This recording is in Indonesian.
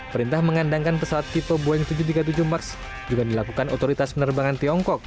perintah mengandangkan pesawat tipe boeing tujuh ratus tiga puluh tujuh marx juga dilakukan otoritas penerbangan tiongkok